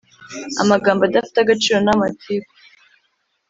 Amagambo adafite agaciro na amatiku